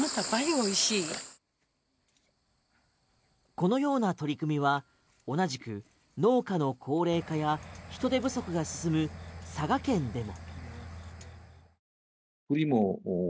このような取り組みは同じく農家の高齢化や人手不足が進む佐賀県でも。